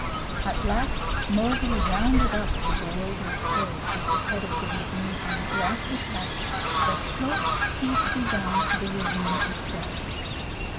At last Mowgli rounded up the bewildered herd at the head of the ravine on a grassy patch that sloped steeply down to the ravine itself.